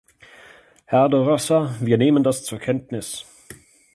Herr De Rossa, wir nehmen das zur Kenntnis.